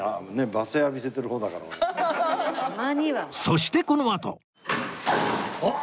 そしてこのあとおっ！